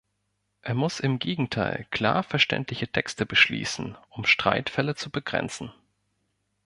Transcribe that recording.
Er muss im Gegenteil klar verständliche Texte beschließen, um Streitfälle zu begrenzen.